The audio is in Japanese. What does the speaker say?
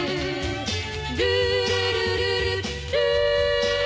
「ルールルルルルー」